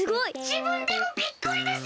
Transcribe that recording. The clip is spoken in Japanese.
じぶんでもびっくりです！